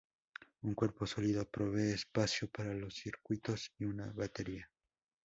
Un cuerpo sólido provee espacio para los circuitos y una batería.